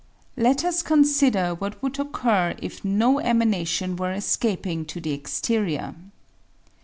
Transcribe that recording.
Let us consider what would occur if no emanation were escaping to the exterior.